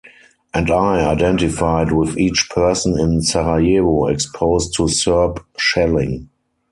And I identified with each person in Sarajevo exposed to Serb shelling.